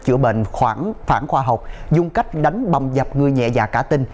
chữa bệnh khoảng khoa học dùng cách đánh băm dập người nhẹ dạ cả tinh